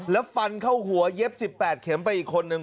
แล้วฟันเข้าหัวเย็บ๑๘เข็มไปอีกคนนึง